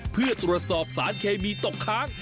เพื่อตรวจสอบสารเคมีตกค้าง